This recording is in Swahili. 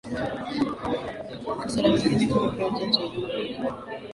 Masuala mengine kama vile ujenzi wa vyombo vya baharini